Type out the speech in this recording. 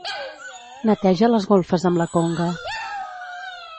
Neteja les golfes amb la conga.